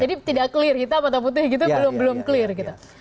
jadi tidak clear kita mata putih gitu belum clear gitu